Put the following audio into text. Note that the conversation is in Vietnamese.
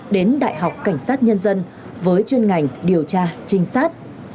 đến đại học cảnh sát nhân dân với chuyên ngành điều tra trinh sát